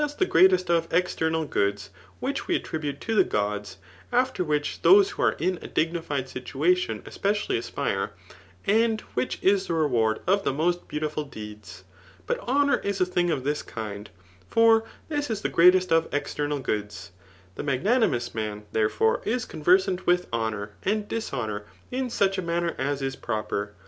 the greaosst of external goods, which we attribute to the Gods, after which those who are in a dignified situation eq>ecially aspire, and which is the reward of the most b^ratiful deeds. But hoaour is a thing of this kind ^ for this is the gt^eatest 6f external goods. The magna nimoQam^, therefore, is conversant with honour and disiiMour, in such a manner as is proper.